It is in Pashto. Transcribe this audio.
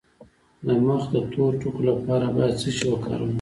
د مخ د تور ټکو لپاره باید څه شی وکاروم؟